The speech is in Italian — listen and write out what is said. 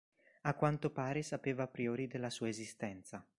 A quanto pare sapeva a priori della sua esistenza.